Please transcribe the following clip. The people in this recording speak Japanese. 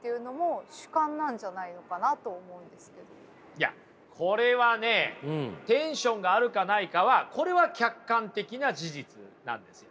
いやこれはねテンションがあるかないかはこれは客観的な事実なんですよ。